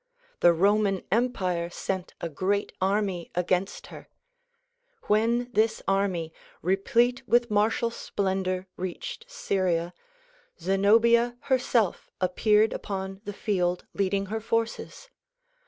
The Roman empire sent a great army against her. When this army replete with martial splendor reached Syria, Zenobia herself appeared upon the field leading her forces.